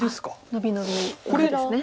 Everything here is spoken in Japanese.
伸び伸びノビですね。